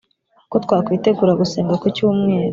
Uko twakwitegura gusenga kucyumweru